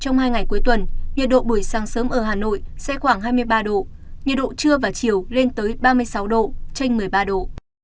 trong hai ngày cuối tuần nhiệt độ buổi sáng sớm ở hà nội sẽ khoảng hai mươi ba độ nhiệt độ trưa và chiều lên tới ba mươi sáu độ tranh một mươi ba độ